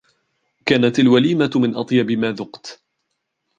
كانت الوليمة من أطيب ما ذقت.